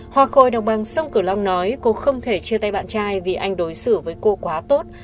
hòa khôi đồng bằng sông cửu long nói cô không thể chia tay bạn trai vì anh đối xử với cô quá tốt